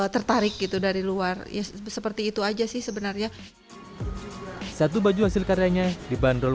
tertarik gitu dari luar ya seperti itu aja sih sebenarnya satu baju hasil karyanya dibanderol